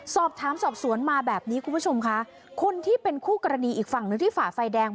สอบสวนมาแบบนี้คุณผู้ชมค่ะคนที่เป็นคู่กรณีอีกฝั่งหนึ่งที่ฝ่าไฟแดง